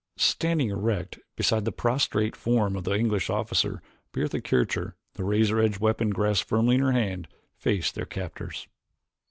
Standing erect beside the prostrate form of the English officer Bertha Kircher, the razor edged weapon grasped firmly in her hand, faced their captors.